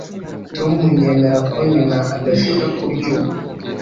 tom yemera ko nyina adashaka kurya ubu